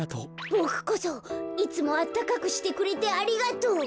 ボクこそいつもあったかくしてくれてありがとう。